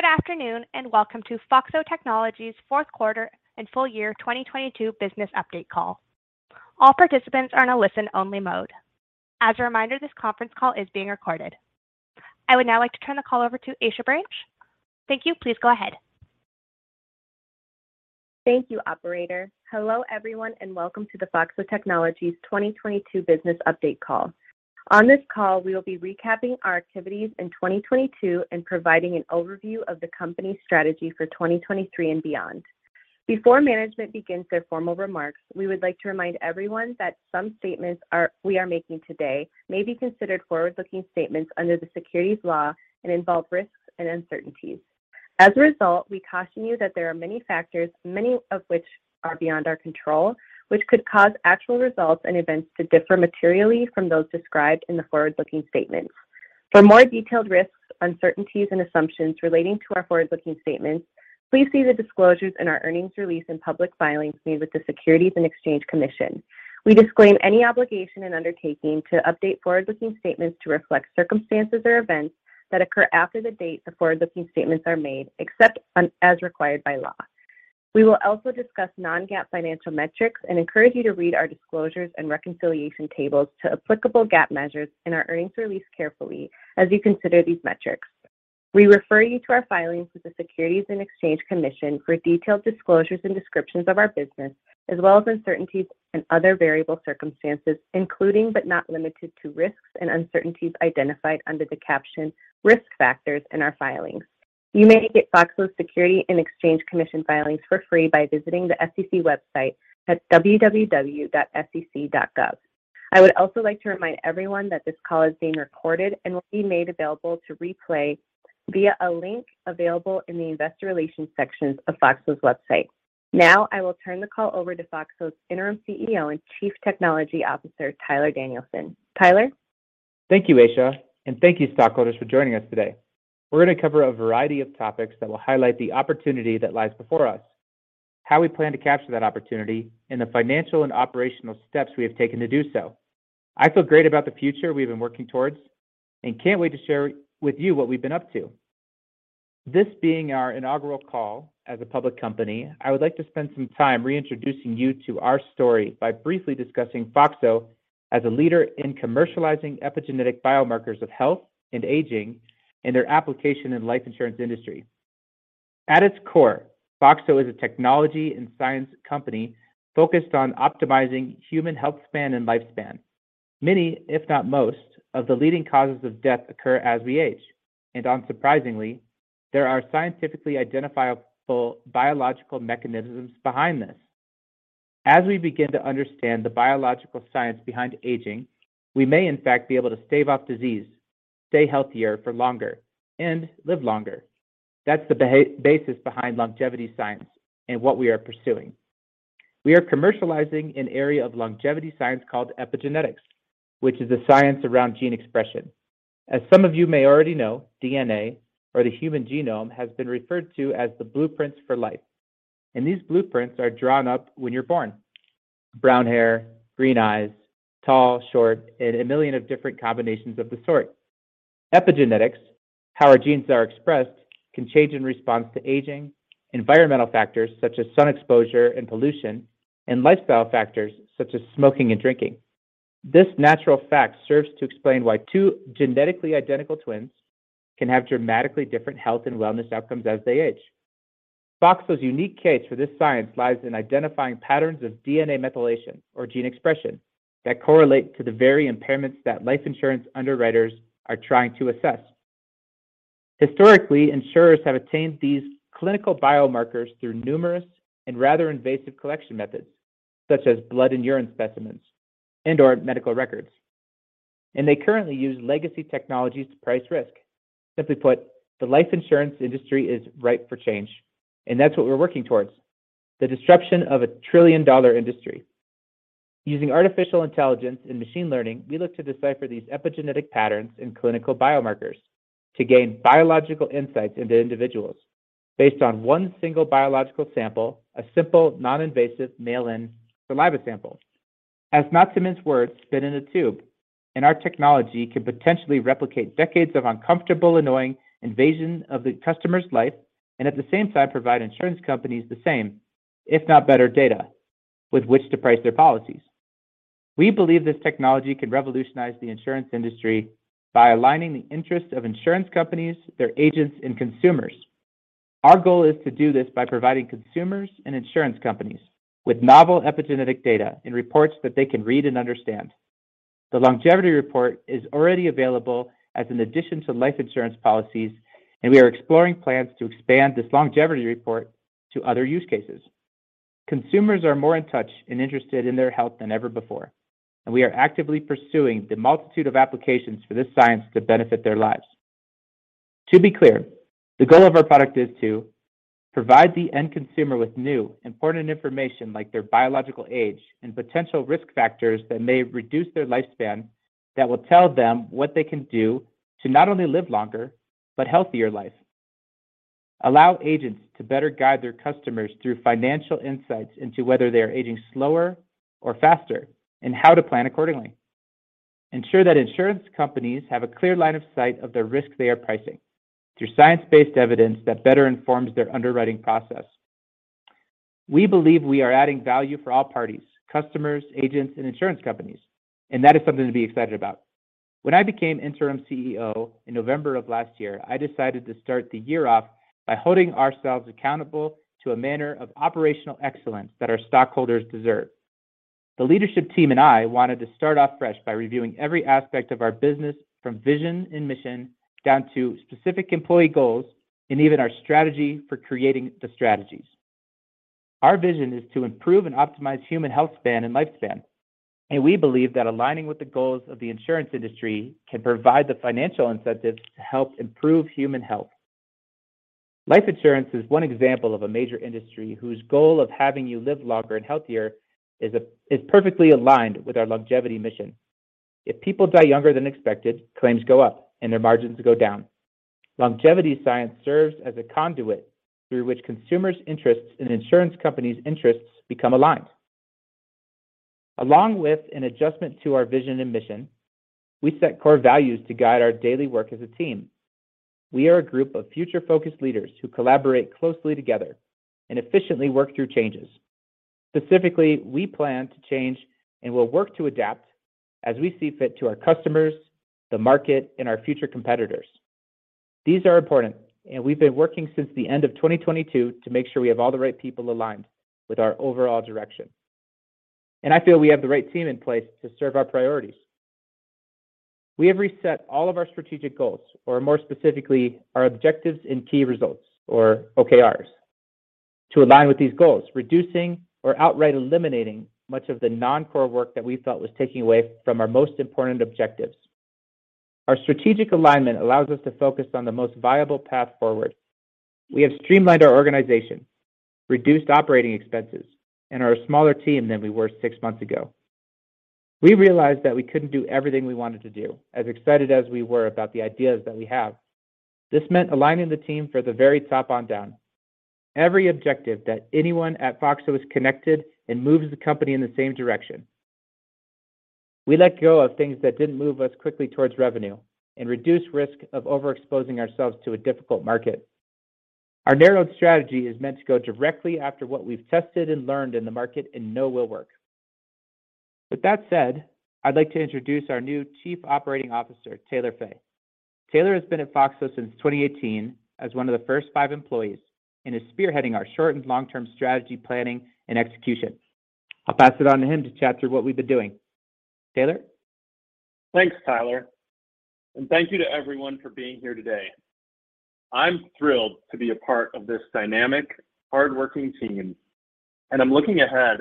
Good afternoon, welcome to FOXO Technologies Fourth Quarter and Full Year 2022 business update call. All participants are in a listen only mode. As a reminder, this conference call is being recorded. I would now like to turn the call over to Aisha Branch. Thank you. Please go ahead. Thank you, operator. Hello, everyone, and welcome to the FOXO Technologies 2022 business update call. On this call, we will be recapping our activities in 2022 and providing an overview of the company's strategy for 2023 and beyond. Before management begins their formal remarks, we would like to remind everyone that some statements we are making today may be considered forward-looking statements under the securities law and involve risks and uncertainties. As a result, we caution you that there are many factors, many of which are beyond our control, which could cause actual results and events to differ materially from those described in the forward-looking statements. For more detailed risks, uncertainties, and assumptions relating to our forward-looking statements, please see the disclosures in our earnings release and public filings made with the Securities and Exchange Commission. We disclaim any obligation and undertaking to update forward-looking statements to reflect circumstances or events that occur after the date the forward-looking statements are made, except as required by law. We will also discuss non-GAAP financial metrics and encourage you to read our disclosures and reconciliation tables to applicable GAAP measures in our earnings release carefully as you consider these metrics. We refer you to our filings with the Securities and Exchange Commission for detailed disclosures and descriptions of our business, as well as uncertainties and other variable circumstances, including, but not limited to risks and uncertainties identified under the caption Risk Factors in our filings. You may get FOXO's Securities and Exchange Commission filings for free by visiting the SEC website at www.sec.gov. I would also like to remind everyone that this call is being recorded and will be made available to replay via a link available in the investor relations sections of FOXO's website. Now, I will turn the call over to FOXO's Interim CEO and Chief Technology Officer, Tyler Danielson. Tyler. Thank you, Aisha, and thank you, stockholders, for joining us today. We're gonna cover a variety of topics that will highlight the opportunity that lies before us, how we plan to capture that opportunity, and the financial and operational steps we have taken to do so. I feel great about the future we've been working towards and can't wait to share with you what we've been up to. This being our inaugural call as a public company, I would like to spend some time reintroducing you to our story by briefly discussing FOXO as a leader in commercializing epigenetic biomarkers of health and aging and their application in life insurance industry. At its core, FOXO is a technology and science company focused on optimizing human health span and lifespan. Many, if not most, of the leading causes of death occur as we age, and unsurprisingly, there are scientifically identifiable biological mechanisms behind this. As we begin to understand the biological science behind aging, we may in fact be able to stave off disease, stay healthier for longer, and live longer. That's the basis behind longevity science and what we are pursuing. We are commercializing an area of longevity science called epigenetics, which is the science around gene expression. As some of you may already know, DNA or the human genome, has been referred to as the blueprints for life, and these blueprints are drawn up when you're born. Brown hair, green eyes, tall, short, and 1 million of different combinations of the sort. Epigenetics, how our genes are expressed, can change in response to aging, environmental factors such as sun exposure and pollution, and lifestyle factors such as smoking and drinking. This natural fact serves to explain why two genetically identical twins can have dramatically different health and wellness outcomes as they age. FOXO's unique case for this science lies in identifying patterns of DNA methylation or gene expression that correlate to the very impairments that life insurance underwriters are trying to assess. Historically, insurers have attained these clinical biomarkers through numerous and rather invasive collection methods, such as blood and urine specimens and/or medical records, and they currently use legacy technologies to price risk. Simply put, the life insurance industry is ripe for change, and that's what we're working towards, the disruption of a trillion-dollar industry. Using artificial intelligence and machine learning, we look to decipher these epigenetic patterns in clinical biomarkers to gain biological insights into individuals based on one single biological sample, a simple, non-invasive mail-in saliva sample. Our technology could potentially replicate decades of uncomfortable, annoying invasion of the customer's life and at the same time provide insurance companies the same, if not better data, with which to price their policies. We believe this technology could revolutionize the insurance industry by aligning the interests of insurance companies, their agents, and consumers. Our goal is to do this by providing consumers and insurance companies with novel epigenetic data and reports that they can read and understand. The Longevity Report is already available as an addition to life insurance policies. We are exploring plans to expand this Longevity Report to other use cases. Consumers are more in touch and interested in their health than ever before. We are actively pursuing the multitude of applications for this science to benefit their lives. To be clear, the goal of our product is to provide the end consumer with new important information like their biological age and potential risk factors that may reduce their lifespan, that will tell them what they can do to not only live longer but healthier life. Allow agents to better guide their customers through financial insights into whether they are aging slower or faster and how to plan accordingly. Ensure that insurance companies have a clear line of sight of the risk they are pricing through science-based evidence that better informs their underwriting process. We believe we are adding value for all parties, customers, agents, and insurance companies, and that is something to be excited about. When I became interim CEO in November of last year, I decided to start the year off by holding ourselves accountable to a manner of operational excellence that our stockholders deserve. The leadership team and I wanted to start off fresh by reviewing every aspect of our business from vision and mission down to specific employee goals and even our strategy for creating the strategies. Our vision is to improve and optimize human health span and lifespan. We believe that aligning with the goals of the insurance industry can provide the financial incentives to help improve human health. Life insurance is one example of a major industry whose goal of having you live longer and healthier is perfectly aligned with our longevity mission. If people die younger than expected, claims go up and their margins go down. Longevity science serves as a conduit through which consumers' interests and insurance companies' interests become aligned. Along with an adjustment to our vision and mission, we set core values to guide our daily work as a team. We are a group of future-focused leaders who collaborate closely together and efficiently work through changes. Specifically, we plan to change and will work to adapt as we see fit to our customers, the market, and our future competitors. These are important, we've been working since the end of 2022 to make sure we have all the right people aligned with our overall direction. I feel we have the right team in place to serve our priorities. We have reset all of our strategic goals, or more specifically, our objectives in key results, or OKRs, to align with these goals, reducing or outright eliminating much of the non-core work that we felt was taking away from our most important objectives. Our strategic alignment allows us to focus on the most viable path forward. We have streamlined our organization, reduced operating expenses, and are a smaller team than we were six months ago. We realized that we couldn't do everything we wanted to do, as excited as we were about the ideas that we have. This meant aligning the team from the very top on down. Every objective that anyone at FOXO is connected and moves the company in the same direction. We let go of things that didn't move us quickly towards revenue and reduced risk of overexposing ourselves to a difficult market. Our narrowed strategy is meant to go directly after what we've tested and learned in the market and know will work. With that said, I'd like to introduce our new Chief Operating Officer, Taylor Fay. Taylor has been at FOXO since 2018 as one of the first five employees and is spearheading our short and long-term strategy planning and execution. I'll pass it on to him to chat through what we've been doing. Taylor? Thanks, Tyler. Thank you to everyone for being here today. I'm thrilled to be a part of this dynamic, hardworking team, and I'm looking ahead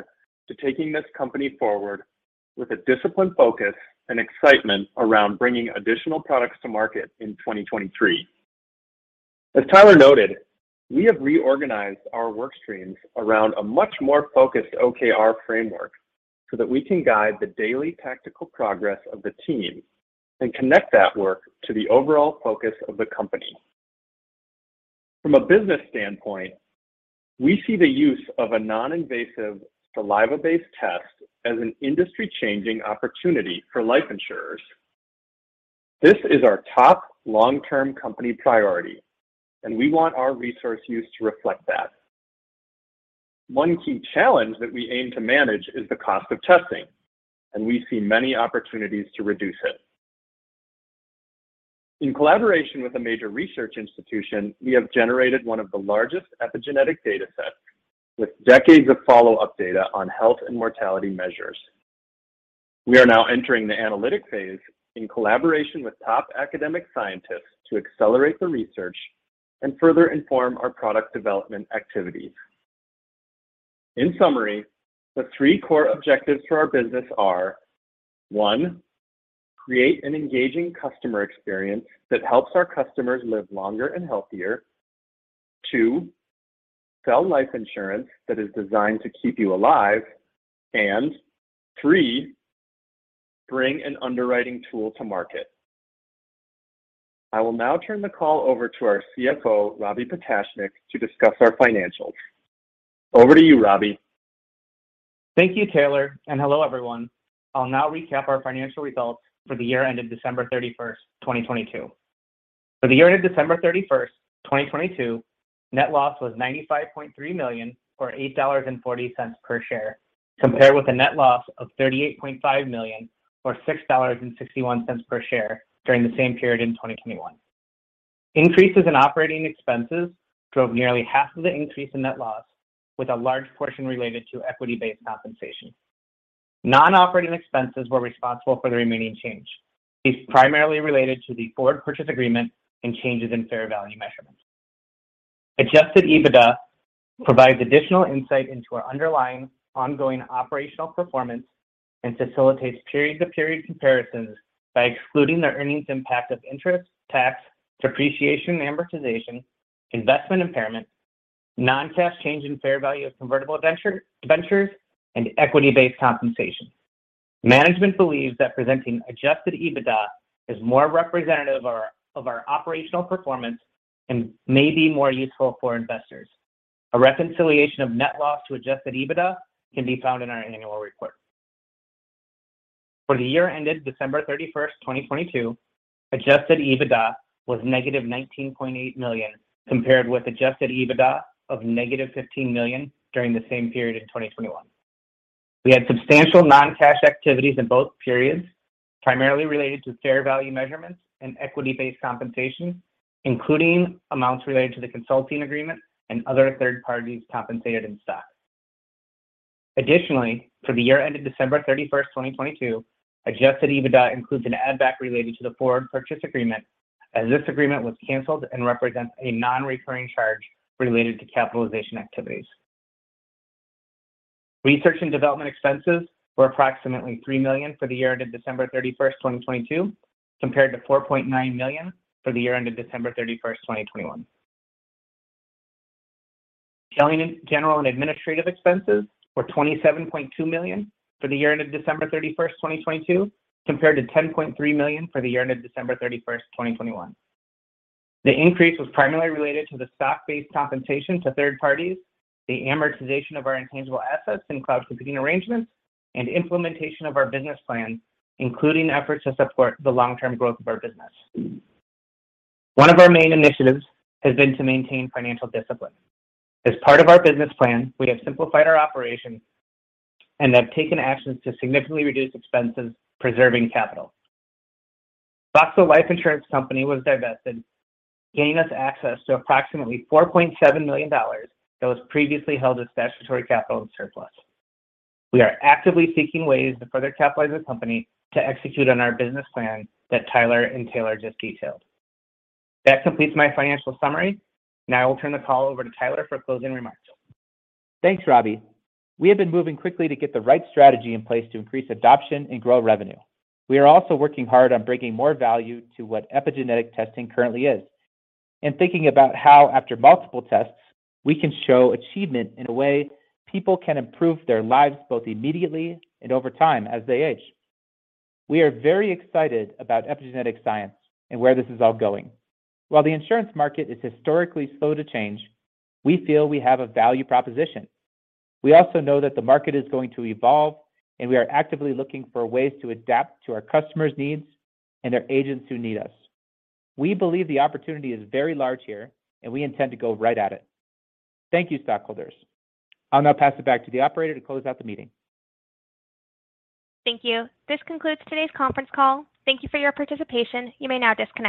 to taking this company forward with a disciplined focus and excitement around bringing additional products to market in 2023. As Tyler noted, we have reorganized our work streams around a much more focused OKR framework so that we can guide the daily tactical progress of the team and connect that work to the overall focus of the company. From a business standpoint, we see the use of a non-invasive saliva-based test as an industry-changing opportunity for life insurers. This is our top long-term company priority, and we want our resource use to reflect that. One key challenge that we aim to manage is the cost of testing, and we see many opportunities to reduce it. In collaboration with a major research institution, we have generated one of the largest epigenetic datasets with decades of follow-up data on health and mortality measures. We are now entering the analytic phase in collaboration with top academic scientists to accelerate the research and further inform our product development activities. In summary, the three core objectives for our business are, one, create an engaging customer experience that helps our customers live longer and healthier, two, sell life insurance that is designed to keep you alive, and three, bring an underwriting tool to market. I will now turn the call over to our CFO, Robby Potashnick, to discuss our financials. Over to you, Robby. Thank you, Taylor. Hello, everyone. I'll now recap our financial results for the year ended December 31st, 2022. For the year ended December 31st, 2022, net loss was $95.3 million or $8.40 per share compared with a net loss of $38.5 million or $6.61 per share during the same period in 2021. Increases in operating expenses drove nearly half of the increase in net loss with a large portion related to equity-based compensation. Non-operating expenses were responsible for the remaining change. It's primarily related to the forward purchase agreement and changes in fair value measurements. Adjusted EBITDA provides additional insight into our underlying ongoing operational performance and facilitates period-to-period comparisons by excluding the earnings impact of interest, tax, depreciation, amortization, investment impairment, non-cash change in fair value of convertible debentures, and equity-based compensation. Management believes that presenting Adjusted EBITDA is more representative of our operational performance and may be more useful for investors. A reconciliation of net loss to Adjusted EBITDA can be found in our annual report. For the year ended December 31st, 2022, Adjusted EBITDA was negative $19.8 million compared with Adjusted EBITDA of $-15 million during the same period in 2021. We had substantial non-cash activities in both periods, primarily related to fair value measurements and equity-based compensation, including amounts related to the consulting agreement and other third parties compensated in stock. Additionally, for the year ended December 31st, 2022, Adjusted EBITDA includes an add back related to the forward purchase agreement, as this agreement was canceled and represents a non-recurring charge related to capitalization activities. Research and development expenses were approximately $3 million for the year ended December 31st, 2022, compared to $4.9 million for the year ended December 31st, 2021. Selling and general and administrative expenses were $27.2 million for the year ended December 31, 2022, compared to $10.3 million for the year ended December 31, 2021. The increase was primarily related to the stock-based compensation to third parties, the amortization of our intangible assets and cloud computing arrangements, and implementation of our business plan, including efforts to support the long-term growth of our business. One of our main initiatives has been to maintain financial discipline. As part of our business plan, we have simplified our operations and have taken actions to significantly reduce expenses, preserving capital. FOXO Life Insurance Company was divested, gaining us access to approximately $4.7 million that was previously held as statutory capital and surplus. We are actively seeking ways to further capitalize the company to execute on our business plan that Tyler and Taylor just detailed. That completes my financial summary. Now I will turn the call over to Tyler for closing remarks. Thanks, Robby. We have been moving quickly to get the right strategy in place to increase adoption and grow revenue. We are also working hard on bringing more value to what epigenetic testing currently is and thinking about how, after multiple tests, we can show achievement in a way people can improve their lives, both immediately and over time as they age. We are very excited about epigenetic science and where this is all going. The insurance market is historically slow to change, we feel we have a value proposition. We also know that the market is going to evolve, and we are actively looking for ways to adapt to our customers' needs and their agents who need us. We believe the opportunity is very large here, and we intend to go right at it. Thank you, stockholders. I'll now pass it back to the operator to close out the meeting. Thank you. This concludes today's conference call. Thank you for your participation. You may now disconnect.